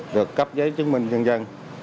được cấp giấy chứng minh nhân dân